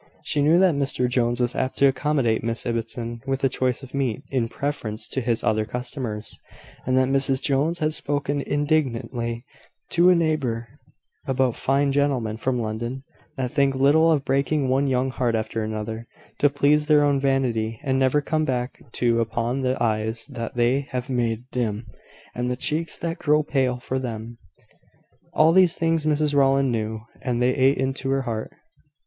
She knew that Mr Jones was apt to accommodate Miss Ibbotson with a choice of meat, in preference to his other customers; and that Mrs Jones had spoken indignantly to a neighbour about fine gentlemen from London that think little of breaking one young heart after another, to please their own vanity, and never come back to look upon the eyes that they have made dim, and the cheeks that grow pale for them. All these things Mrs Rowland knew; and they ate into her heart.